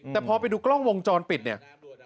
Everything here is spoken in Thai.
แต่พอไปดูกล้องวงจรปิดเนี่ย